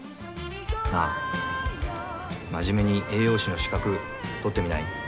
真面目に栄養士の資格取ってみない？